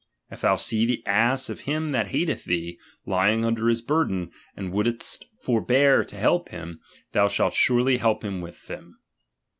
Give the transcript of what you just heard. If thou see the ass of him that hatetk thee, lying under his burden, and wouldst forbear to help him, thou .shall surely help with him.